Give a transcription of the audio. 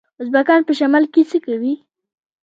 ازبکان په شمال کې څه کوي؟